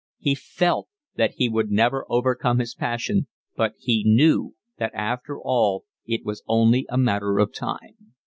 He FELT that he would never overcome his passion, but he KNEW that after all it was only a matter of time.